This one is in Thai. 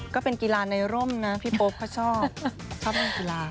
ก็เป็นกีฬาในร่มนะพี่โป๊ปเขาชอบชอบเล่นกีฬา